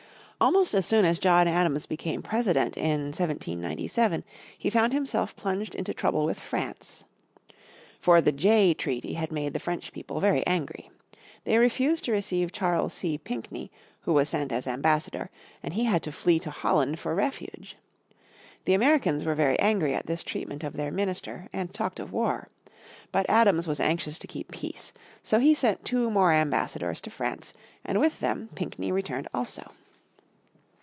Almost as soon as John Adams became President in 1797 he found himself plunged into trouble with France. For the Jay Treaty had made the French people very angry. They refused to receive Charles C. Pinckney, who was sent as ambassador, and he had to flee to Holland for refuge. The Americans were very angry at this treatment of their minister and talked of war. But Adams was anxious to keep peace. So he sent two more ambassadors to France and with them Pinckney returned also.